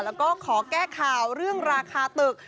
แล้วก็ขอแก้ข่าวเรื่องราคาตึก